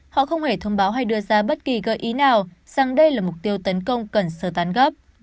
họ không hề thông báo hay đưa ra bất kỳ gợi ý nào rằng đây là mục tiêu tấn công cần sơ tán gấp